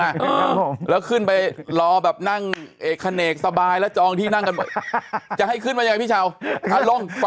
จะให้ขึ้นมันอย่างไรพี่เชลฟ